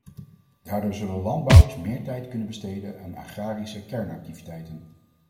Daardoor zullen landbouwers meer tijd kunnen besteden aan agrarische kernactiviteiten.